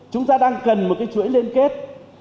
chúng ta đang cần một cái chuỗi liên kết